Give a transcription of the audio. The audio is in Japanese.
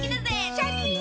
シャキン！